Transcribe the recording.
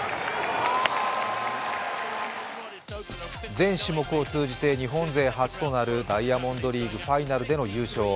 全種目を通じて日本勢初となるダイヤモンドリーグファイナルでの優勝。